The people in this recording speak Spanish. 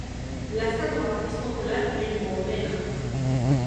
La estatua es popular en Módena.